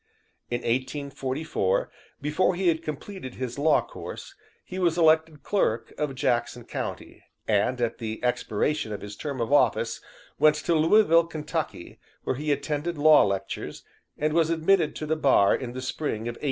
In 1844, before he had completed his law course, he was elected clerk of Jackson county, and at the expiration of his term of office went to Louisville, Kentucky, where he attended law lectures, and was admitted to the bar in the spring of 1851.